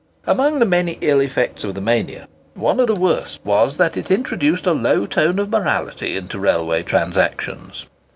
Amongst the many ill effects of the mania, one of the worst was that it introduced a low tone of morality into railway transactions.